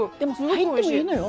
入ってもいいのよ。